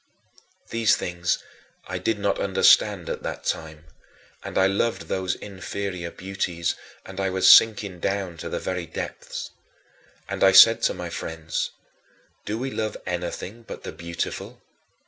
These things I did not understand at that time, and I loved those inferior beauties, and I was sinking down to the very depths. And I said to my friends: "Do we love anything but the beautiful?